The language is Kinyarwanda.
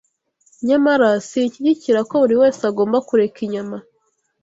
nyamara sinshyigikira ko buri wese agomba kureka inyama